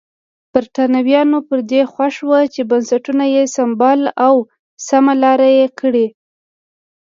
برېټانویان پر دې خوښ وو چې بنسټونه یې سمبال او سمه لار یې کړي.